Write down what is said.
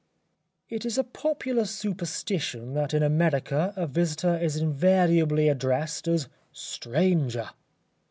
It is a popular superstition that in America a visitor is invariably addressed as ŌĆ£Stranger.